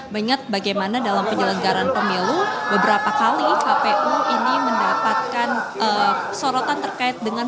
mengingat bagaimana dalam penyelenggaran pemilu beberapa kali kpu ini mendapatkan